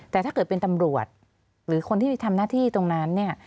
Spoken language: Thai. แต่ถ้าเกิดเป็นตำรวจหรือคนที่มีทำหน้าที่ตรงนั้นเนี่ย